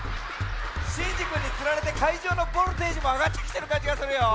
シンジくんにつられてかいじょうのボルテージもあがってきてるかんじがするよ。